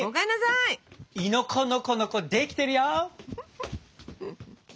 いのこのこのこできてるよ！